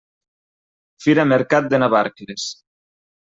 Fira Mercat de Navarcles.